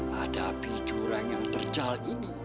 hadapi jurang yang terjal ini